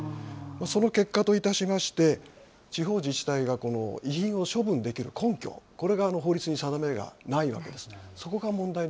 その結果といたしまして、地方自治体が遺品を処分できる根拠、これが法律に定めがないわけですね。